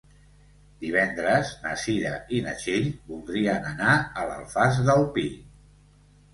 Divendres na Cira i na Txell voldrien anar a l'Alfàs del Pi.